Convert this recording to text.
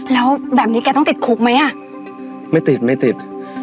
แล้วแบบนี้แกต้องติดคุกไหมอ่ะไม่ติดไม่ติด